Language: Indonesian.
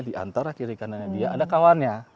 diantar lah kiri kanannya dia ada kawannya